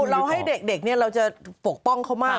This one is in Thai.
เราให้เด็กเราจะปกป้องเขามาก